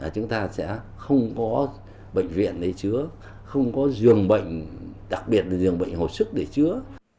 chúng ta sẽ không có bệnh viện để chứa không có giường bệnh đặc biệt là giường bệnh hộp sức để chứa